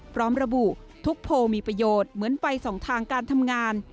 พร้อมระบุทุกโพลมีประโยชน์เหมือนไปสองทางการทำงาน